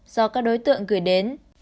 do các đối tượng gửi đến